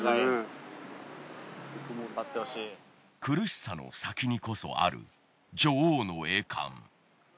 苦しさの先にこそある女王の栄冠。